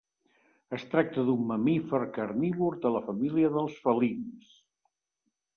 Es tracta d'un mamífer carnívor de la família dels felins.